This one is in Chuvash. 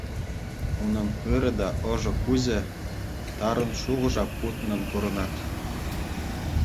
Унӑн ырӑ та ӑшӑ куҫӗ тарӑн шухӑша путнӑн курӑнать.